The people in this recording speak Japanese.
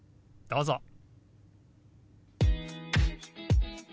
どうぞ。